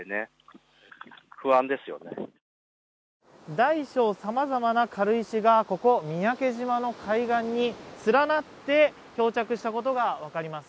大小様々な軽石がここ三宅島の海岸に連なって漂着したことが分かります。